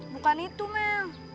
bukan itu mel